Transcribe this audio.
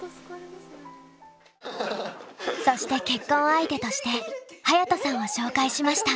そして結婚相手として隼人さんを紹介しました。